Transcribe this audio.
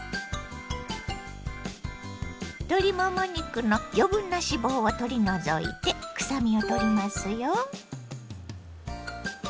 鶏もも肉の余分な脂肪を取り除いて臭みをとりますよ。